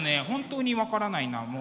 本当に分からないな。